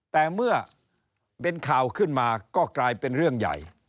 แต่เมื่อเป็นข่าวขึ้นมาก็กลายเป็นเรื่องใหญ่